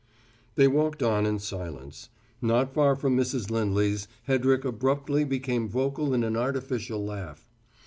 They walked on in silence. Not far from Mrs. Lindley's, Hedrick abruptly became vocal in an artificial laugh.